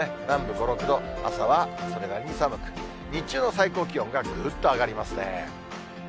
南部５、６度、朝はそれなりに寒く、日中の最高気温がぐっと上がりますね。